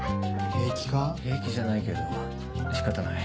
平気じゃないけど仕方ない。